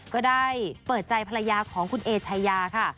ก็ได้เปิดใจภรรยาของคุณเอชายาค่ะ